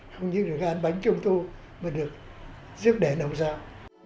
không như được ăn bánh trung thu mà được giúp đèn ôm sao